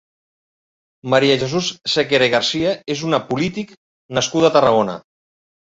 Maria Jesús Sequera i Garcia és una polític nascuda a Tarragona.